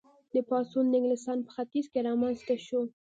دا پاڅون د انګلستان په ختیځ کې رامنځته شو.